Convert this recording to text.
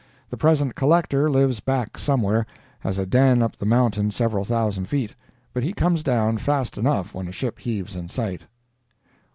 The present Collector lives back somewhere—has a den up the mountain several thousand feet—but he comes down fast enough when a ship heaves in sight.